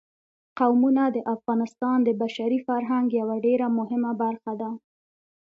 قومونه د افغانستان د بشري فرهنګ یوه ډېره مهمه برخه ده.